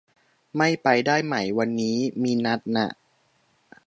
ไม่ไปได้ไหม วันนี้ มีนัดน่ะ